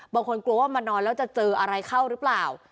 กลัวว่ามานอนแล้วจะเจออะไรเข้าหรือเปล่า